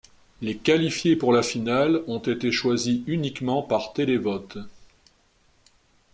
Les qualifiés pour la finale ont été choisis uniquement par télévote.